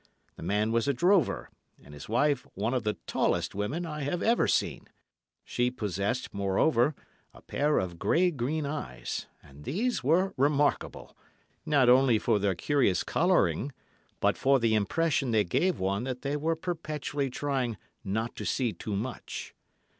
The man was a drover, and his wife one of the tallest women I have ever seen; she possessed, moreover, a pair of green grey eyes, and these were remarkable, not only for their curious colouring, but for the impression they gave one that they were perpetually trying not to see too much.